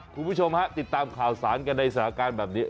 คุณผู้ชมฮะติดตามข่าวสารกันในสถานการณ์แบบนี้